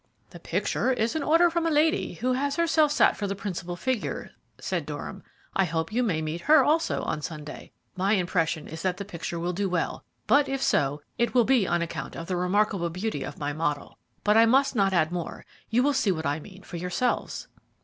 "The picture is an order from a lady, who has herself sat for the principal figure," said Durham. "I hope you may meet her also on Sunday. My impression is that the picture will do well; but if so, it will be on account of the remarkable beauty of my model. But I must not add more you will see what I mean for yourselves."